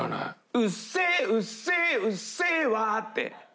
「うっせぇうっせぇうっせぇわ」って。